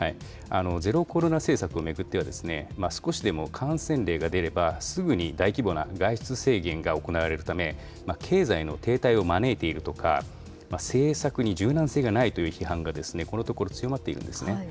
ゼロコロナ政策を巡っては、少しでも感染例が出れば、すぐに大規模な外出制限が行われるため、経済の停滞を招いているとか、政策に柔軟性がないという批判が、このところ強まっているんですね。